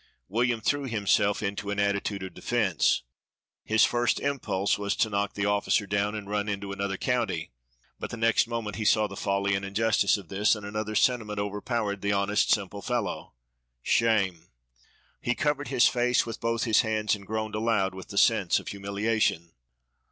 William threw himself into an attitude of defense. His first impulse was to knock the officer down and run into another county, but the next moment he saw the folly and injustice of this and another sentiment overpowered the honest simple fellow shame. He covered his face with both his hands and groaned aloud with the sense of humiliation.